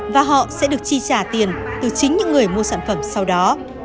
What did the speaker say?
và họ sẽ được chi trả tiền từ chính những người mua sản phẩm sau đó